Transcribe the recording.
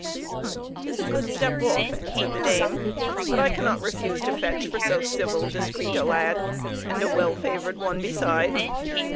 "'Tis a good step off," answered the dame; "but I cannot refuse to fetch for so civil, discreet a lad and a well favored one, besides.